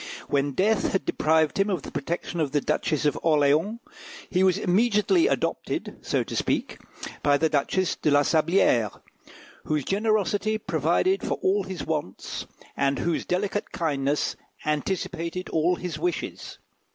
When death had deprived him of the protection of the Duchess of Orleans, he was immediately adopted, so to speak, by the Duchess de la Sablière, whose generosity provided for all his wants, and whose delicate kindness anticipated all his wishes.